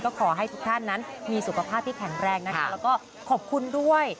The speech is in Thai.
ก็ขอให้ทุกท่านนั้นมีสุขภาพที่แข็งแรงนะคะแล้วก็ขอบคุณด้วย